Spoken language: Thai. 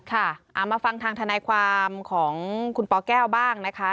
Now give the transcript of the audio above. เอามาฟังทางทนายความของคุณปแก้วบ้างนะคะ